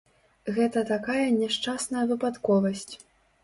Гэта такая няшчасная выпадковасць.